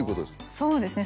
そうですね